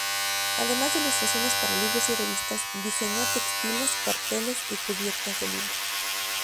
Además de ilustraciones para libros y revistas, diseñó textiles, carteles, y cubiertas de libro.